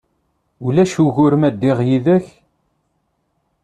Ulac ugur ma ddiɣ yid-k?